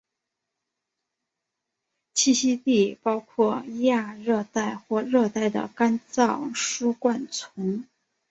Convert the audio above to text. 栖息地包括亚热带或热带的干燥疏灌丛。